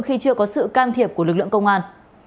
khi chưa có sự can thiệp của lực lượng công an